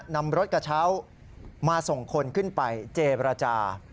นำรถกระเช้ามาส่งคนขึ้นไปเจรจา